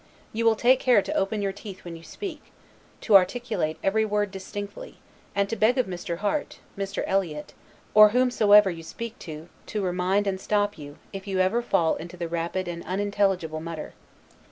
You will take care to open your teeth when you speak; to articulate every word distinctly; and to beg of Mr. Harte, Mr. Eliot, or whomsoever you speak to, to remind and stop you, if you ever fall into the rapid and unintelligible mutter.